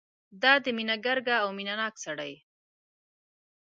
دا د مینې ګرګه او مینه ناک سړی.